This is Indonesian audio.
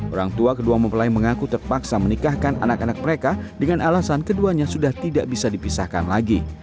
orang tua kedua mempelai mengaku terpaksa menikahkan anak anak mereka dengan alasan keduanya sudah tidak bisa dipisahkan lagi